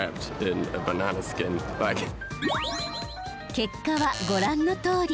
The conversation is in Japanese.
結果はご覧のとおり。